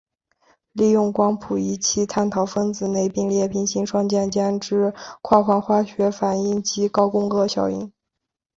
利用光谱仪器探讨分子内并列平行双键间之跨环化学反应及高共轭效应。